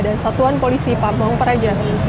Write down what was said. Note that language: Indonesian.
dan satuan polisi pampang pereja